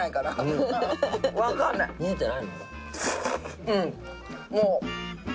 うんもう。